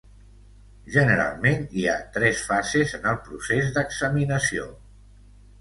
Generalment, hi ha tres fases en el procés d'examinació.